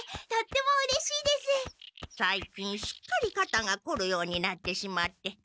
さいきんすっかりかたがこるようになってしまって。